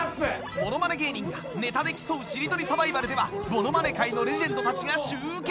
ものまね芸人がネタで競うしりとりサバイバルではものまね界のレジェンドたちが集結！